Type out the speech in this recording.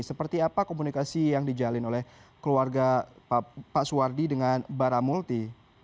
seperti apa komunikasi yang dijalin oleh keluarga pak suwardi dengan baramulti